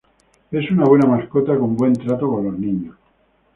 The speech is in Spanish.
Es una buena mascota, con buen trato con niños.